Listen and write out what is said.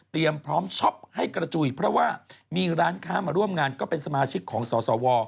พร้อมช็อปให้กระจุยเพราะว่ามีร้านค้ามาร่วมงานก็เป็นสมาชิกของสสว